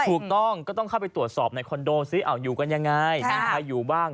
ถูกต้องก็ต้องเข้าไปตรวจสอบในคอนโดซิอยู่กันยังไงมีใครอยู่บ้าง